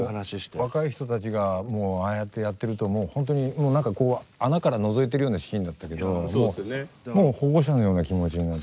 若い人たちがもうああやってやってるとほんとに何かこう穴からのぞいてるようなシーンだったけどもう保護者のような気持ちになって。